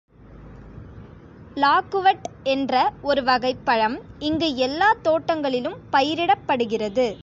Loquat என்ற ஒரு வகைப் பழம் இங்கு எல்லாத் தோட்டங்களிலும் பயிரிடப்படுகிறது.